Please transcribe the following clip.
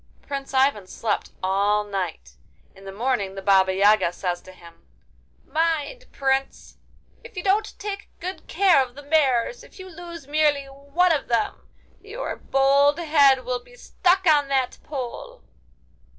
Prince Ivan slept all night. In the morning the Baba Yaga says to him: 'Mind, Prince! if you don't take good care of the mares, if you lose merely one of them—your bold head will be stuck on that pole!